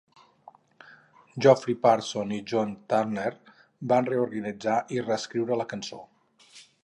Geoffrey Parsons i John Turner van reorganitzar i reescriure la cançó.